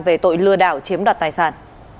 về tội lừa đảo chiếm đoạt tài sản